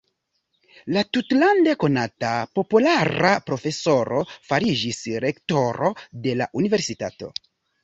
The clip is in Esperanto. La tutlande konata, populara profesoro fariĝis rektoro de la universitato.